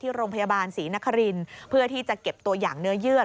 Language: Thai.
โรงพยาบาลศรีนครินทร์เพื่อที่จะเก็บตัวอย่างเนื้อเยื่อ